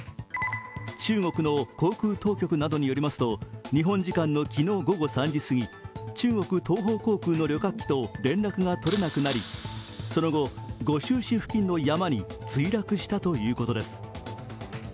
中国の航空当局などによりますと日本時間の昨日午後３時すぎ中国東方航空の旅客機と連絡が取れなくなりその後、梧州市付近の山に墜落したということです。